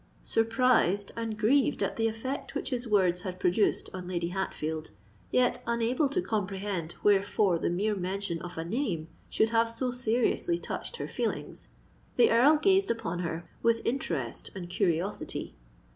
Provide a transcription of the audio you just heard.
Surprised and grieved at the effect which his words had produced on Lady Hatfield—yet unable to comprehend wherefore the mere mention of a name should have so seriously touched her feelings,—the Earl gazed upon her with interest and curiosity.